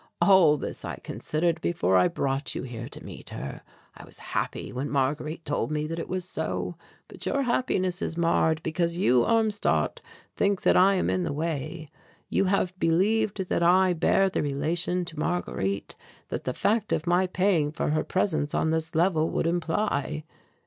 All this I considered before I brought you here to meet her. I was happy when Marguerite told me that it was so. But your happiness is marred, because you, Armstadt, think that I am in the way; you have believed that I bear the relation to Marguerite that the fact of my paying for her presence on this level would imply.